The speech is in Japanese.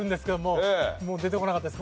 もう出てこなかったです